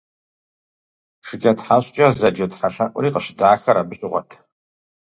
ШыкӀэтхьэщӀкӀэ зэджэ тхьэлъэӀури къыщыдахыр абы щыгъуэт.